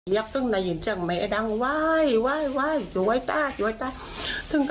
ตักน้ำพาวิ่งขึ้นไปบนเรือน